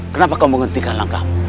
kenapa kamu menghentikan langkahmu